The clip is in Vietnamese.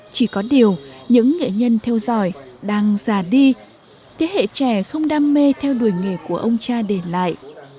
chỉ có điều những nghệ nhân theo dõi đang già đi thế hệ trẻ không đam mê theo đuổi nghề của ông cha để lại